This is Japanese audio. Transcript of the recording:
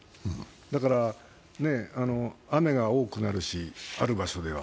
だから雨が多くなるし、ある場所では。